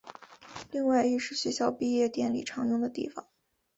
另外亦是学校毕业典礼常用的地方。